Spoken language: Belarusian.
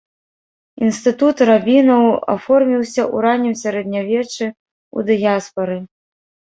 Інстытут рабінаў аформіўся ў раннім сярэднявеччы ў дыяспары.